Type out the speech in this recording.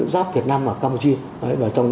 giáp việt nam và campuchia